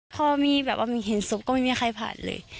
พอมีแบบว่ามีเห็นศพก็ไม่มีใครผ่านเลย